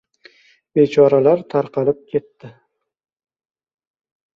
Bechoralar tarqalib ketdi!